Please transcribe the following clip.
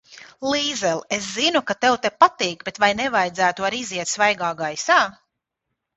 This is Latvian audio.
Līzel, es zinu, ka tev te patīk, bet vai nevajadzētu arī iziet svaigā gaisā?